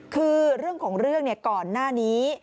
คือเรื่องของเรื่องก่อนหน้านี้